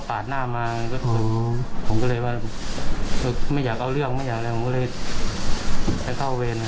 ผมก็เลยว่าไม่อยากเอาเรื่องไม่อยากอะไรผมก็เลยให้เข้าเวร